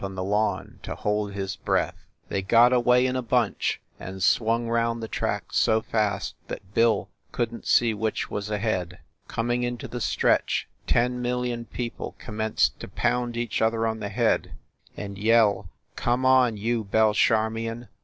on the lawn to hold his breath. They got away in a bunch and swung round the track so fast that Bill couldn t see which was ahead. Coming into the stretch ten million people com menced to pound each other on the head and yell THE LIARS CLUB 73 "Come on you Belcharmion